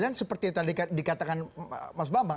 jadilah seperti tadi ditanyakan mas bambang